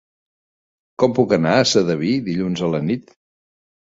Com puc anar a Sedaví dilluns a la nit?